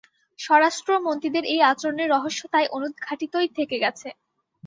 স্বরাষ্ট্রমন্ত্রীদের এই আচরণের রহস্য তাই অনুদ্ঘাটিতই থেকে গেছে।